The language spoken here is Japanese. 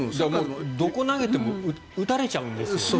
どこに投げても打たれちゃうんですよ。